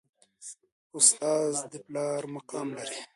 استاد د پلار مقام لري